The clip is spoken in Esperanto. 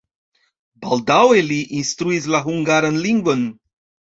Baldaŭe li instruis la hungaran lingvon.